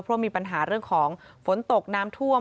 เพราะมีปัญหาเรื่องของฝนตกน้ำท่วม